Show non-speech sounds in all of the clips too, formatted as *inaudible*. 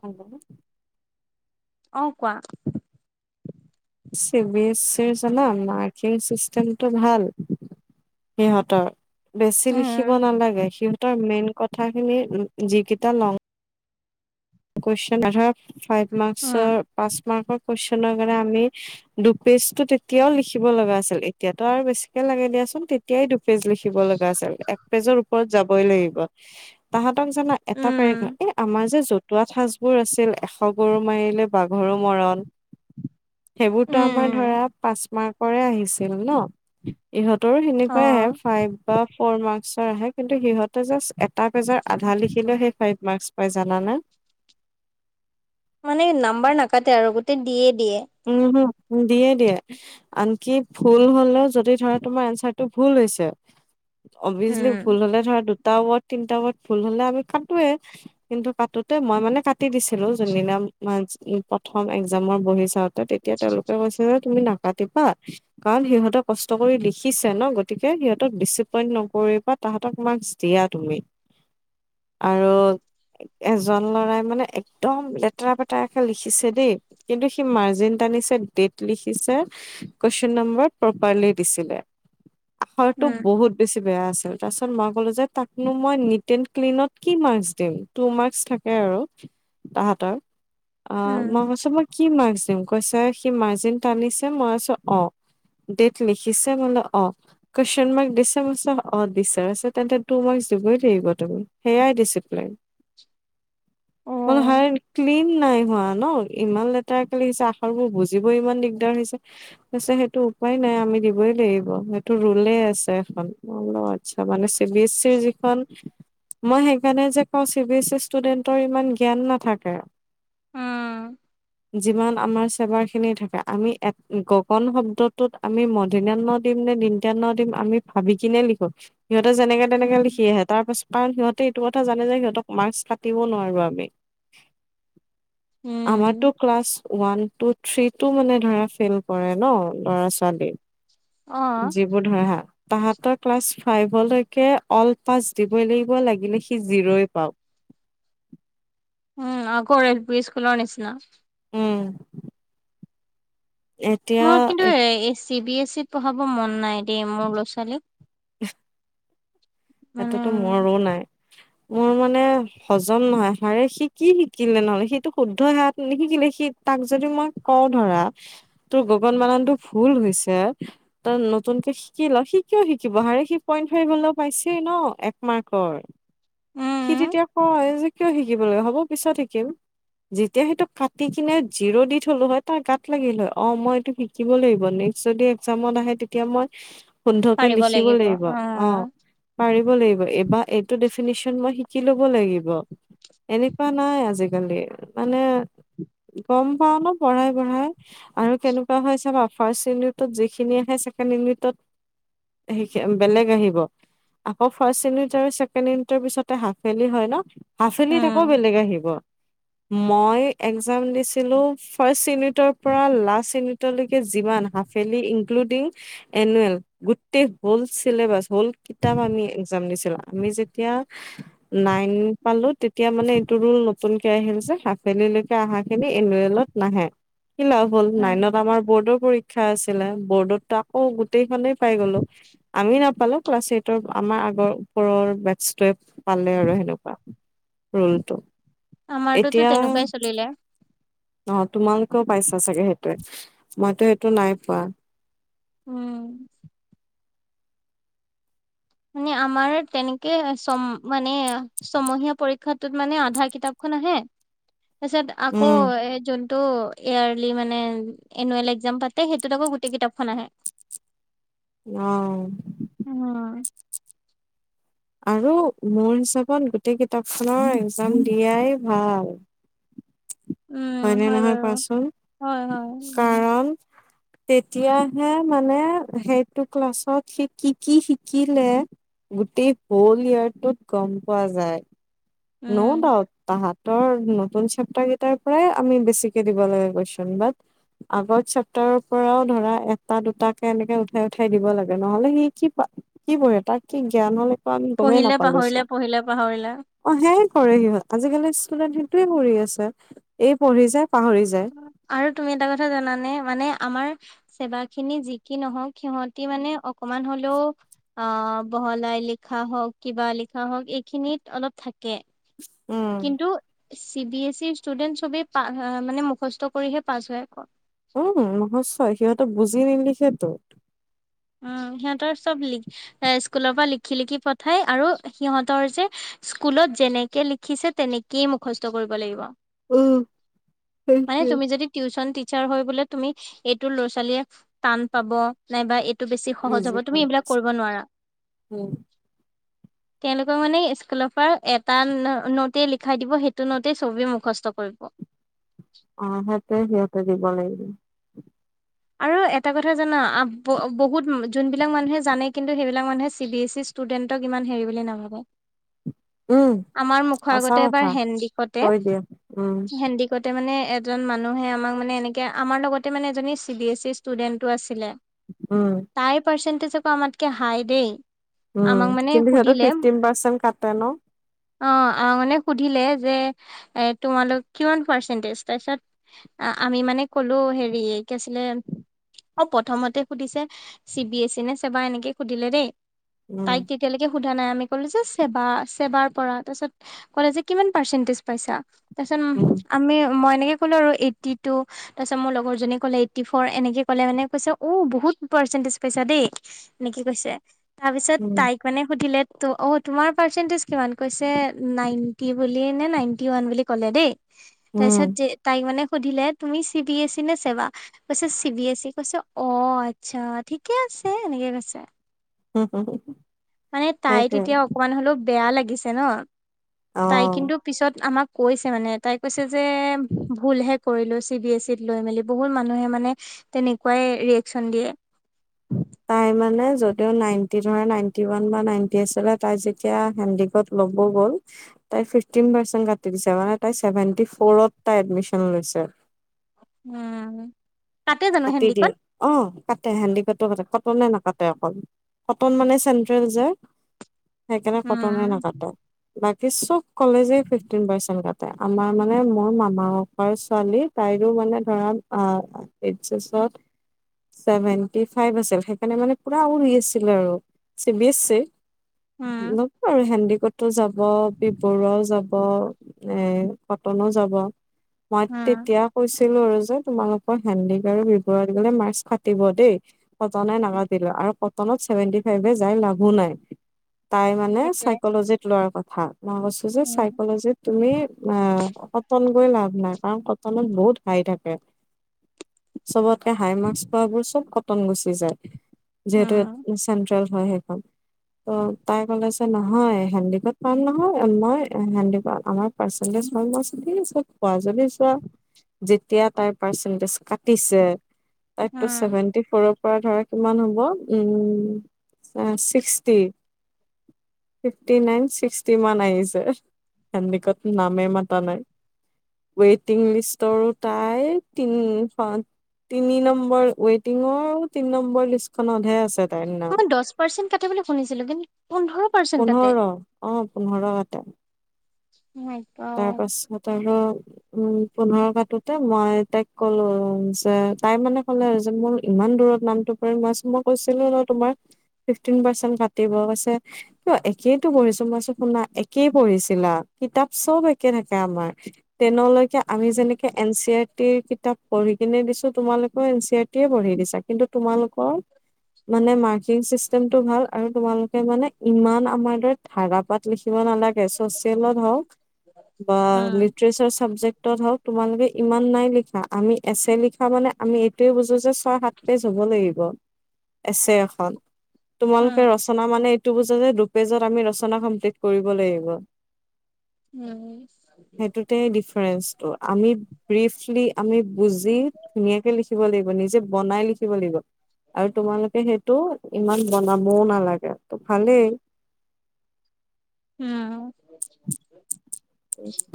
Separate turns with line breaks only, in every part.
Hello, '
অ কোৱা
C B S E জানা মাৰ্কিং চিষ্টেমটো ভাল সিহঁতৰ বেছি লিখিব
উম
নালাগে সিহঁতৰ মেইন কথাখিনি যিকেইটা লং কোয়েচন অহ ধৰ ফাইফ
উম
মাৰ্ক্সৰ পাচ মাৰ্ক্সৰ কোৱেচন নৰ কাৰণে আমি দুপেজটো তেতিয়াও লিখিব লগা আছিল এতিয়াতটো আৰু বেছিকে লাগে দিয়াচোন তেতিয়াই দুপেজ লিখিব লগা আছিল এক পেজৰ ওপৰত যাবই লাগিব তাহাত। এটা
উম
পেৰেগাপ আমাৰ যে য জতুৱা ঠাঁচবোৰ আছিল এশ গৰু মাৰিলে বাঘৰু মৰণ সেইবোৰতো
উম
আমাৰ ধৰা পাঁচ মাৰ্কৰে আহিছিল ন ইহতৰো
অ
সেনেকুৱাই আহে ফাইভ বা ফ'ৰ মাৰ্কচৰ আহে কিন্তু সিহঁতে জাষ্ট এ পেজৰ আধা লিখিলেও সেই ফাইভ মাৰ্ক পায় জানা নে।
মানে নাম্বাৰ নাকাটে আৰু গোটেই দিয়ে
উম হুম দিয়ে দিয়ে আনকি ভুল হলেও যদি ধৰা তোমাৰ এনচাৰটো ভুল হৈছে। অভিয়াচলি ভুল
উম
হলে ধৰা দুটা ড তিনিটা তা ভুল হলে আমি কাটোৱে কিন্তু কাটোতে মই মানে কাটি দিছিলো যোনদিনা উ প্ৰথম একজামৰ বহি চাওঁ তেতিয়া তেওঁলোকে কৈছে যে তুমি নাকাতিবা কাৰণ সিহঁতে কষ্ট কৰি লিখিছে ন গতিকে সিহঁতক ডিচিপইণ্ট নকৰিবা তাহাঁতক মাৰ্ক্স দিয়া তুমি
*unintelligible*
আৰু এজন ল'ৰাই মানে একদম লেতেৰা পেতেৰাকৰাকে লিখিছে দেই কিন্তু সি মাৰ টানিছে ডেট লিখিছে কুৱেচন নম্বৰ প্ৰপাৰলি দিছিলে আখৰটো
উম
বহুত বেছি বেয়া আছে তাৰ পিছত মই কলো যে তাকনো মই নিট এড ক্লনত কি মাৰ্ক্স দিম টু মাৰ্ক্স থাকে আৰু তাহতৰ অঁ মই
উম
কৈছোঁ মই কি মাৰ্ক্স দিম। কৈছা সি মাৰ্জিন টানিছে মই কৈছোঁ অ ডেট লিখিছে বোলো অ কুৱেছন মাৰ্ক্স দিছে বুলিছে অ দিছে তেন্তে টো মাৰ্ক্স ই থাকিব তুমি সেইয়াই ডিচিপ্লিন।
*unintelligible* অ
মান হাৰে ক্লিন নাই হোৱা ন ইমান লেতেৰাক ক লি আহি বুজিবই ইমান দিগদাৰ হৈছেছে সেইটো উপায় নাই আমি দিবই লাগিব সেইটো ৰুলে আ এ্ল আচ্ছা মানে চি বি এছ ইৰ যিখন মই সেইকাৰণে যে কওঁ চি বিএছ ই ষ্টুডেন্টৰ ইমান জ্ঞান নাথাকে আৰু
উম
যিমান আমাৰ চেবাৰ খিনি থাকে আমি গগন শব্দটোত আমি মধিনিয়া ন দিম নে দন্তিয়া ন দিম আমি ভাবি কিনে লিখো সিহতে যেনেকে তেনেকে লিখি আহে তাৰ পাছত কাৰণ সিহঁত এইটো কথা জানে যে সিহঁতক মাৰ্ক্স কাতিব নোৱাৰো আমি
উম
আমাৰটো ক্লাছ ওৱান। থ্ৰী টো মানে ধৰা ফেইল কৰে ন ল'ৰা ছোৱালী।
অ
যিবোৰ ধৰা হা তাহতৰ ক্লাছ ফাইভলৈকে অল পাছ দিবই লাগিব লাগিলে সি জিৰ'ই পাওক।
উম আগৰ এল পি স্কুলৰ নিচিনা।
উম। এতিয়া
মোৰ কিন্তু এই চি বি এছ চি ত পঢ়াব মন নাই দেই মোৰ ল'ৰা ছোৱালীক।
*unintelligible* সেইটো
মানে
তহ মোৰো নাই। মোৰ মানে হজম নহয়, আৰে সি কি শিকিলে নহ'লে? সিটো শুদ্ধ হাত নিশিকিলে, সি তাক যদি মই কওঁ ধৰা তোৰ গগন বানানটো ভুল হৈছে, তই নতুন কে শিকি ল', সি কিয় শিকিব আৰে সি পইণ্ট ফাইভ হলেউ পাইছে। সেইটোৱে ন এক মাৰ্কৰ, সি
উম
তেতিয়া কয় যে কিয় শিকিব লাগে? হ'ব পিছত শিকিম। যেতিয়া সেইটো কাটি কিনে জিৰো দি থলো হয়, তাৰ গাত লাগিল হয়, অ মই এইটো শিকিব লাগিব। নে ক্সট যদি একজামত আহে তেতিয়া মই শুদ্ধকৈ
পাৰিব
লিখিব লাগিব।
অ
অঁ। পাৰিব লাগিব, এইবাৰ এইটো দেফিনেচন মই শিকিলব লাগিব। এনেকুৱা নাই আজিকালি মানে গম পাও ন পঢ়াই পঢ়াই, আৰু কেনেকুৱা হয় চাবা ফাৰ্ছট ইউনিটত যিখিনি আহে *unintelligible* ছেকেণ্ড ইউনিটত সেইখি বেলেগ আহিব। আকৌ ফাৰ্ষ্ট ইউনিট আৰু ছেকেণ্ড ইউনিটাৰ পিছতে হাফ ইয়াৰ্লী হয় ন, হাফ ইয়াৰ্লীত আকৌ
উম
বেলেগ আহিব। *unintelligible*
*inaudible*
মই এক্জাম দিছিলো ফাৰ্ষ্ট ইউনিটৰ পৰা লাষ্ট ইউনিটলৈকে যিমান, হাফ ইয়াৰ্লী ইনক্লোদিং এনোৱেল, গোটেই হৌল ছিলেবাছ, হৌল কিতাপ। *unintelligible* এক্সাম দিছিলোঁ আমি যেতিয়া নাইন পালো তেতিয়া মানে এইটো ৰুল নতুনকে আহিল যে হাফ ইয়াৰ্লী লৈকে অহা খিনি এনোৱেলত নাহে। *unintelligible* কি লাভ হ'ল?
উম
নাইনত আমাৰ বৰ্ডৰ পৰীক্ষা আছিলে। বৰ্ডত তহ আকৌ গো *unintelligible* গোটেইখনে পাই গ'লো, আমি নাপালো ক্লাছ এইটৰ আমাৰ আগৰ ওপৰৰ বেট্ছটোৱে *unintelligible* পালে আৰু সেনেকুৱা ৰোলতো।
আমাৰটোতো
এতিয়া
তেনেকুৱাই চলিলে
অঁহ তোমালোকেও পাইছা চাগে সেইটোৱে। মইতো সেইটো নাই পোৱা।
উম। মানে আমাৰ তেনেকে ছম মানে ছমহীয়া পৰীক্ষাটোত মানে আধা কিতাপখন ন আহে, তাৰপিছত আকৌ
উম।
এই যোন *unintelligible* তো ইয়াৰ্লি মানে এনুৱেল এক্জাম পাতে সেইটোত আকৌ গোটেই কিতাপখন আহে। *unintelligible* *inaudible*
অহঁ।
উম
আৰু মোৰ হিচাপত গোটেই কিতাপখনৰ এক্জাম দিয়াই ভাল।
উম
হয়নে
হয়
নহয়
বাৰু
কোৱাচোন?
হয় হয় উম।
কাৰণ তেতিয়াহে মানে সেইটো ক্লাছত সি কি কি শিকিলে গোটেই হৌল ইয়াৰটোত গম পোৱা যায়,
উম
নৌ ডাউট তাহাত তৰ নতুন চেপ্তাৰ কেইটাৰ পৰাই আমি বেছিকে দিব লাগে কোৱেচন বাত *unintelligible* আগৰ চেপ্তাৰৰ পৰাও ধৰা এটা দুট কে এনেকে উঠাই উঠাই দিব লাগে নহলে সি কি *unintelligible* কি পঢ়ে তাক কি জ্ঞান হলে কা আমি গমেই
পঢ়িলে
নাপালো
পাহৰিলে
চোন।
পঢ়িলে পাহৰিলে
*unintelligible* সেয়াই কৰে সিহঁত আজিকালি ষ্টুডেন্ট সেইটোৱে কৰি আছে এই পঢ়ি যায়, *unintelligible* যায়।
আৰু তুমি এটা কথা জানানে? মানে আমাৰ। চেবা খিনি যি কি নহওঁক সিহঁতি মানে অকমান হলেও *unintelligible* আহ বহলাই লিখা হওক কিবা লিখা হওক এইখিনিত অলপ থাকে।
উম।
কিন্তু চি বি এ চি ৰ ষ্টুডেন্ট চবেই মানে মুখস্থ কৰিহে পাছ হয় আকৌ। *unintelligible*
উম মুখস্ত সিহঁতে বুজি নিলিখে ত'। *unintelligible*
উম সিহঁতৰ চব লিখ এ স্কুলৰ পৰা লিখি লিখি পঠায় আৰু সিহঁতৰ যে *unintelligible* স্কুলত যেনেকে লিখিছে তেনেকেই মুখস্থ কৰিব লাগিব।
উম,
মানে
সেইটোৱে।
তুমি যদি টিউচন দি টিচাৰ হয় বোলে তুমি এইটো ল'ৰা-ছোৱালীয়ে টান পাব নাইবা এই *unintelligible* টো বেছি সহজ হ'ব
ইজি
তুমি
কৰি
এইবিলাক
দিছে
কৰিব নোৱাৰা
উম।
*unintelligible* তেওঁলোকে মানে স্কুলৰ পৰা এটা নোট লিখাই দিব, সেইটো নটেই ছবি মুখস্থ কৰিব। *unintelligible*
অ' সেইতোয়ে সিহঁতে দিব লাগে। *unintelligible*
আৰু এটা কথা জানা বহুত যোনবিলাক মানুহে জানে কিন্তু সেইবিলাক মানুহে চি বি এচি ই *unintelligible* ষ্টুডেণ্টক ইমান হেৰি বুলি নাভাবে।
উম,
আমাৰ মুখৰ
সঁচা
আগতে এবাৰ
কথা
হেন্দিকতে,
কৈ দিয়ে উম।
হেন্দিকতে মানে এজন মানুহে আমাক মানে এনেকে আমাৰ লগতে মানে এজনী চি বি এছ ইৰ ষ্টুডেন্টটো আছে। *unintelligible*
উম,
তাই পাৰ্চেন্টেজ আকৌ আমাতকে হাই দেই *unintelligible*
উম,
আমাক মানে
কিন্তু সিহঁতৰ
সুধিলে
ফিফটিন পাৰ্চেন্ট কাটে ন?
অ' আমাক মানে সুধিলে *unintelligible* যে এ তোমালোক কিমান পাৰ্চেন্টেজ তাৰপিছত আমি মানে ক'লো হেৰি *unintelligible* কি আছিলে অ' প্ৰথমতে সুধিছে চি বিএচি নে চেবা এনেকে সুধিলে দেই *unintelligible*
উম,
তাইক তেতিয়ালৈকে সোধা নাই আমি ক'লে যে *unintelligible* ছেবা, ছেবাৰ পৰা তাৰ পাছত ক'লে যে কিমান পাৰ্চেন্টেজ পাইছা তাৰ
উম,
পিছত আমি মই এনেকে কলো আৰু এইটি টু তাৰ পিছত মোৰ লগৰ জনী কলে এইট্টি ফৰ এনেকে ক'লে মানে কৈছে অ' বহুত পাৰ্চেন্টেজ পাইছা দেই এনেকে কৈছে। তাৰপিছত
উম,
তাইক মানে সুধিলে ত' অ' তোমাৰ পাৰ্চেন্টেজ কিমান কৈছে নাইনটি বুলি নে নাইনটি ওৱান বুলি ক'লে দেই তাৰ
উম,
পিছত যে তাইক মানে সুধিলে তুমি চি বি এচি ই নে ছেবা কৈছে চি বি এছ ই কৈছে অ' আচ্ছা ঠিকে আছে এনেকে কৈছে মানে তাই
সেইটোৱে
তেতিয়া অকমান হ'লেও বেয়া লাগিছে ন তাই
অ'।
কিন্তু পিছত আমাক কৈছে মানে তাই কৈছে যে ভুলহে কৰিলো চি বি এছ ইত লৈ মেলি বহুত মানুহে মানে তেনেকুৱাই ৰিয়েকচন দিয়ে।
তাই মানে যদিও নাইনটি ধৰা নাইনটি ওৱান বা নাইনটি আছিলে তাই যেতিয়া হেন্দীকত ল'ব গল তাইৰ ফিফটিন পাৰ্চেন্টেজ কাটি দিছে, মানে তাই তেতিয়া চেভেনটি ফৌৰত তাই এডমিশ্যন লৈছে।
উম। কাটে জানো
কাটি দিয়ে
হেন্দিকত
অৱ কাটে হেন্দীকটো কাটে, কটনে নাকাটে অকল, কটন মানে চেন্ট্ৰেল যে সেইকাৰণে কটনে
উম
নাকাটে বাকী চব কলেজে ফিফটিন পাৰ্চেন্ট কাটে, আমাৰ মানে মোৰ মামা ককা ছোৱালী তাই এইটো মানে ধৰা আহ এইছ এছত চেভেন্টি ফাইভ আছিল সেইকাৰণে মানে পুৰা উৰি আছিল আৰু চি বি এছচি
উম
ল'ব আৰু হেণ্ডিকতো যাব বি বৰুৱাও যাব। এ কটনো যাব মই
উম
তেতিয়া কৈছো আছিলো আৰু যে তোমালোকৰ হেণ্ডীক আৰু বি বৰুৱাত গ'লে মাৰ্ক্স কাটিব দেই কটনে নাকাটিলে আৰু কটনত চেভেনটি ফাইফ যাই লাভো নাই।
*inaudible*
তাই মানে
সেইটোৱে
চাইকলজিত লোৱাৰ কথা মই কৈছো যে
উম
চাইকজিত তুমি এৱ কটন গৈ লাভ নাই কাৰণ কটনত বহুত হাই থাকে, চবত চবতকে হাই মাৰ্ক্স পোৱা বোৰ চব কটন গুচি যায়, যিহেতু
উম
সেয়া চেণ্ট্ৰেল হয় সেইখন ত', তাই ক'লে নহয় হেণ্ডীকত পাম নহয় মই হেণ্ডীকত আমাৰ পাৰ্চেন্টিজ ভাল মাৰ্ক্স পোৱা যদি চোৱা যেতিয়া তাইৰ পাৰ্চেন্টিজ পাৰ্চেন্টিজ কাটিছে, তাইৰ তো
উম
চেভেনটি ফৰৰ পৰা ধৰা কিমান হ'ব উ ছিক্সটি ফিফটি নাইন, ছিক্সটি মান আহিছে। হেণ্ডিকত নামেই মাতা নাই, ৱেইটিং লিষ্টৰো তাই তি তিনি নম্বৰ ৱেটিঙৰ তিনি নম্বৰ লিষ্ট খতহে আছে তাইৰ নাম
মই দছ পাৰ্চেন্ট কাট বুলি শুনিছিলো কিন্তু পোন্ধৰ পাৰ্চেন্ট কাটে
পোন্ধৰ অ পোন্ধৰ কাটে
উম
তাৰ পাছত আৰুক উম পোন্ধৰ কটোতে মই তাইক কলো যে তাই মানে কলে যে মোৰ ইমান দূৰত নামটো পৰিম মইছ মই কৈছিলো ন তোমাক ফিফটি পাৰ্চেন্ট কাতিব গৈছে ত একেইটো পঢ়িছো মইছো শুনা একেই পঢ়িছিলা কিতাপ চব একে থাকে আমাৰ তেনলৈকে আমি যেনেকে এন চি আৰ কিতাপ পঢ়ি কিনে দিছো তোমালোকৰ এন চি আৰ টি পঢ়ি দিছা কিন্তু তোমালোকৰ মান মাৰ্কিন চিষ্টেমটো ভাল আৰু তোমালোকে মানে ইমান আমাৰ দৰে ধাৰাপাত লিখিব নালাগে চচিয়েলত হওক বা
উম
লিটাৰচাৰ চাবজেক্টত হওক তোমালোকে ইমান নাই লিখা আমি এছে লিখা মানে আমি এইটোয়ে বুজো যে ছয় সাত পেজ হ'ব লাগিব। আছে এখন
উম
তোমালোকে ৰচনা মানে বজা যে দুপেজত আমি ৰচনা কমপ্লিট কৰিব লাগিব।
উম
সেইটোতে ডিফাৰেন্ঞ্চটো আমি ব্ৰিফলি আমি বুজি, ধুনীয়াকে লিখিব লাগিব। নিজে বনাই লিখিব লাগিব আৰু তোমালোকে সেই টো ইমান বনাবও নালাগে। ত' ভালেই।
উম!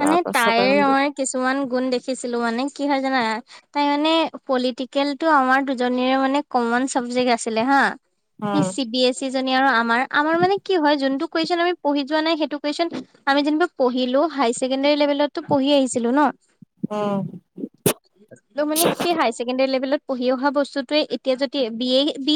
মানে,
পাছত
তাইৰ
আৰু
মই কিছুমান গুণ দেখিছোঁ। মানে, কি হয় জানা! তাই মানে, পলিটিকেলটো আমাৰ দুজনৰে মানে, কমন চাবজেক্ট আছিলে হা।
উম
চি বি এছ চি জনী আৰু আমাৰ মানে কি হয়, যোনটো কুৱেশ্যন আমি পঢ়ি যোৱা নাই। সেইটো কুৱেশ্যন আমি, যেনিবা পঢ়িলো, হায়াৰ ছেকেণ্ডৰী লেভেলতো পঢ়ি আহিছিলোঁ ন'।
উম।
ত' মানে, সেই হাই ছেকেণ্ডৰী লেভেলত পঢ়ি অহা বস্তুটোৱে এতিয়া যদি, বি এ বি